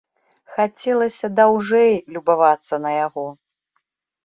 Хацелася даўжэй любавацца на яго.